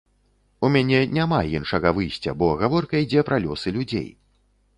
У мяне няма іншага выйсця, бо гаворка ідзе пра лёсы людзей.